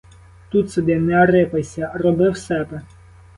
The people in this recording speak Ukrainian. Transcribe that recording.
„Тут сиди, не рипайся, роби в себе!